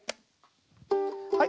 はい。